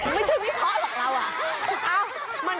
เหมือนพูดไปเล่นเผื่อยอ่ะไม่ถึงวิเคราะห์หรอกเราอ่ะ